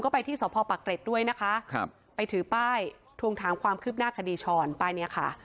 ไปที่สพปักเกร็ดด้วยนะคะครับไปถือป้ายทวงถามความคืบหน้าคดีช้อนป้ายเนี้ยค่ะ